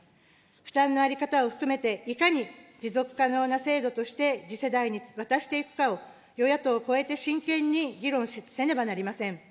負担の在り方を含めて、いかに持続可能な制度として次世代に渡していくかを、与野党超えて真剣に議論せねばなりません。